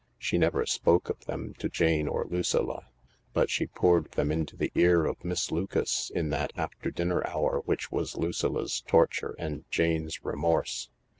She never spoke of them to Jane or Lucilla, but she poured them into the ear of Miss Lucas in that after dinner hour which was Lucilla 's torture and Jane's remorse.